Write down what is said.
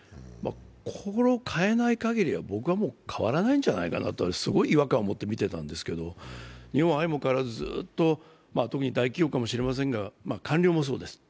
これを変えないかぎりは僕は変わらないんじゃないかなとすごい違和感を持って見ていたんですけれども、相も変わらず、特に大企業かもしれませんが、官僚もそうです。